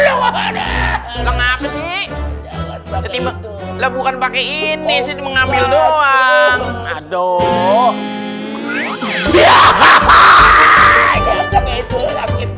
apa sih ketiba kita bukan pakai ini sih mengambil doang aduh